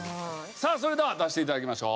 さあそれでは出して頂きましょう。